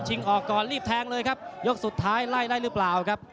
ออกก่อนรีบแทงเลยครับยกสุดท้ายไล่ได้หรือเปล่าครับ